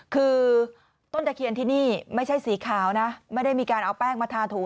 คือต้นตะเคียนที่นี่ไม่ใช่สีขาวนะไม่ได้มีการเอาแป้งมาทาถู